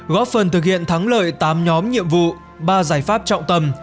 góp phần thực hiện thắng lợi tám nhóm nhiệm vụ ba giải pháp trọng tâm